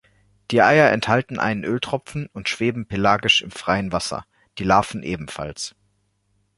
Die Eier enthalten einen Öltropfen und schweben pelagisch im freien Wasser, die Larven ebenfalls.